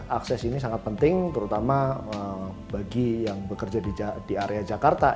akses ini sangat penting terutama bagi yang bekerja di area jakarta